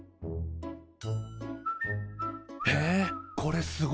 へえこれすごいな。